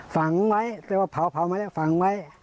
ฝังไว้เรียกว่าเผาฝังไว้